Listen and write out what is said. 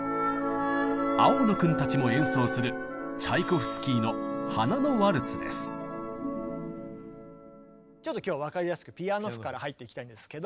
青野君たちも演奏するちょっと今日は分かりやすくピアノ譜から入っていきたいんですけども。